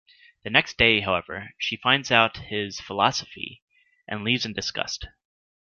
The next day, however, she finds out about his "philosophy", and leaves in disgust.